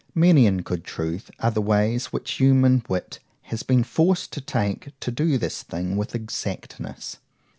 Many, in good truth, are the ways, which human wit has been forced to take, to do this thing with exactness.